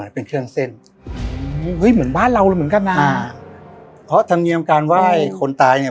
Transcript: อ๋อเพราะทางเลี้ยงการว่ายคนตายเนี่ย